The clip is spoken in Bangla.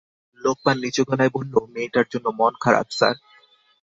লোকমান নিচু গলায় বলল, মেয়েটার জন্যে মন খারাপ স্যার।